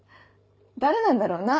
誰なんだろうな？